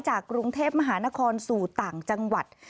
จากกรุงเทพมหานครสู่ต่างจังหวัด